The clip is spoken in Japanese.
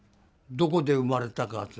どこで生まれたかって。